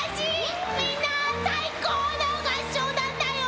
みんな最高の合唱だったよ！